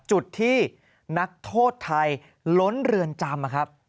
จุดที่นักโทษไทยล้นเรือนจำนะครับ